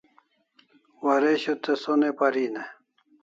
Waresho te sonai parin e?